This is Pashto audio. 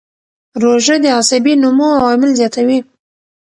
روژه د عصبي نمو عوامل زیاتوي.